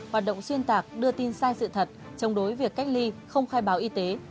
hoạt động xuyên tạc đưa tin sai sự thật chống đối việc cách ly không khai báo y tế